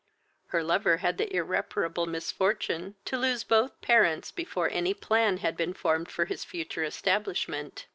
Her lover had the irreparable misfortune to lose both his parents before any plan had been formed for his future establishment.